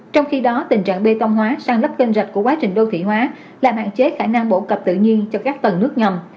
trong khi đó tình trạng bê tông hóa sang lớp kênh rạch của quá trình đô thị hóa làm hạn chế khả năng bổ cập tự nhiên cho các tầng nước ngầm